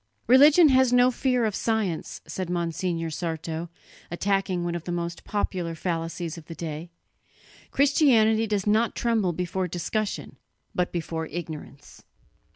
"Religion has no fear of science," said Monsignor Sarto, attacking one of the most popular fallacies of the day; "Christianity does not tremble before discussion, but before ignorance.